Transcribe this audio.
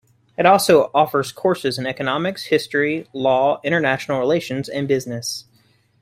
It also offers courses in economics, history, law, international relations, and business.